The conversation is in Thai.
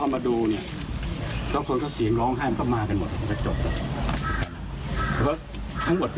การทำให้มันตามกฎหมายจะพูดมาก